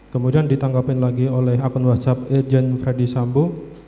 kemudian ditanggapin lagi oleh akun whatsapp irjen freddy sambo